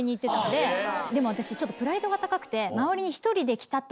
でも私ちょっとプライドが高くて。